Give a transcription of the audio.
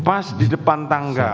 pas di depan tangga